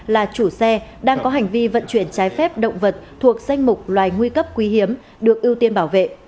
là chủ xe đang có hành vi vận chuyển trái phép động vật thuộc danh mục loài nguy cấp quý hiếm được ưu tiên bảo vệ